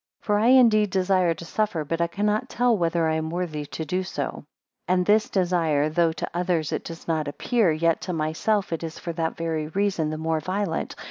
15 For I indeed desire to suffer, but I cannot tell whether I am worthy so to do. 16 And this desire, though to others it does not appear, yet to myself it is for that very reason the more violent.